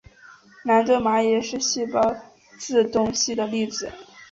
兰顿蚂蚁是细胞自动机的例子。